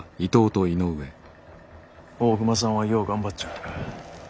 大隈さんはよう頑張っちょる。